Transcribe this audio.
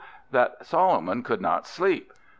that Solomon could not sleep.